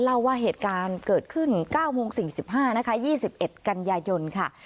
เล่าว่าเหตุการณ์เกิดขึ้นเก้าวงสิบห้านะคะยี่สิบเอ็ดกันยายนค่ะ